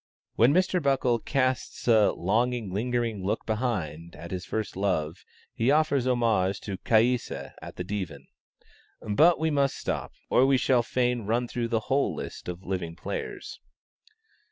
When Mr. Buckle casts a "longing, lingering look behind" at his first love, he offers homage to Caïssa at the Divan. But we must stop, or we shall fain run through the whole list of living players.